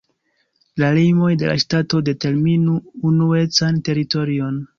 La limoj de la ŝtato determinu unuecan teritorion.